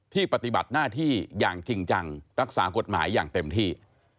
ปฏิบัติหน้าที่อย่างจริงจังรักษากฎหมายอย่างเต็มที่